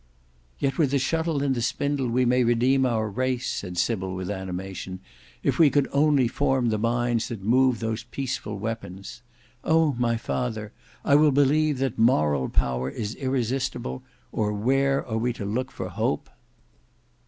"Yet with the shuttle and the spindle we may redeem our race," said Sybil with animation, "if we could only form the minds that move those peaceful weapons. Oh! my father, I will believe that moral power is irresistible, or where are we to look for hope?"